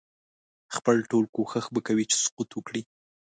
خپل ټول کوښښ به کوي چې سقوط وکړي.